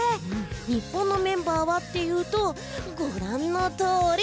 日本のメンバーはというとご覧のとおり。